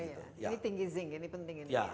ini tinggi zinc ini penting ini